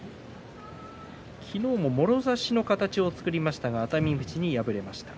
昨日はもろ差しの形を作りましたが熱海富士に敗れました。